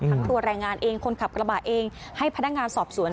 ทั้งตัวแรงงานเองคนขับกระบะเองให้พนักงานสอบสวน